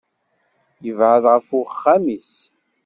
Yebεed ɣef uxxam-is.